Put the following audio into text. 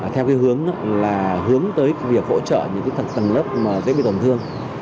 theo cái hướng là hướng tới việc hỗ trợ những tầng lớp dễ bị tổn thương